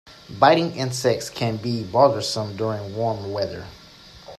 Biting insects can be bothersome during warm weather.